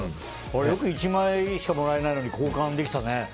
あれよく１枚しかもらえないのに交換できたね。